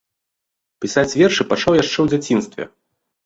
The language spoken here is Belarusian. Пісаць вершы пачаў яшчэ ў дзяцінстве.